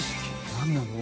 何なの？